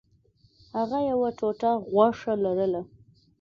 هغه یوه ټوټه غوښه لرله.